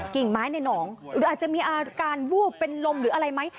กิ่งไม้ในหนองหรืออาจจะมีอาการวูบเป็นลมหรืออะไรไหม